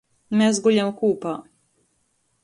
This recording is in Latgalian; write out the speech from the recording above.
Mes guļam kūpā...